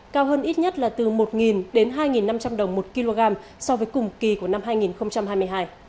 cao hơn ít nhất là từ một đến hai năm trăm linh đồng một kg so với cùng kỳ của năm hai nghìn hai mươi hai